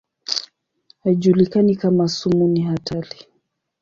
Haijulikani kama sumu ni hatari.